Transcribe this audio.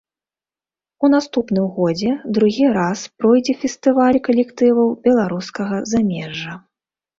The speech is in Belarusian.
У наступным годзе другі раз пройдзе фестываль калектываў беларускага замежжа.